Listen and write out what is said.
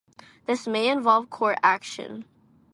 This may involve court action.